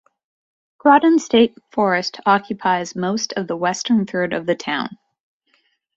Groton State Forest occupies most of the western third of the town.